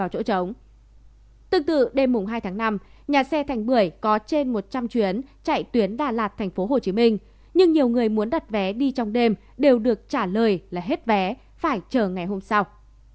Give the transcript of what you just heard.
tương tự đêm hai tháng năm nhà xe thành bưởi có trên một trăm linh chuyến chạy tuyến đà lạt tp hcm nhưng nhiều người muốn đặt vé đi trong đêm đều được trả lời là hết vé phải chờ ngày hôm sau